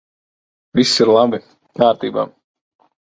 Viss ir labi! Kārtībā!